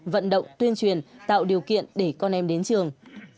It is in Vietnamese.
vận động tuyên truyền tạo điều kiện để con em đến trường